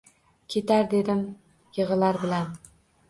Ketar dedim – yigʼilar bilan